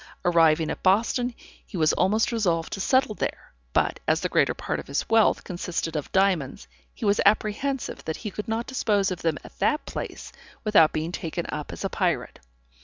Arriving at Boston, he was almost resolved to settle there, but, as the greater part of his wealth consisted of diamonds, he was apprehensive that he could not dispose of them at that place, without being taken up as a pirate.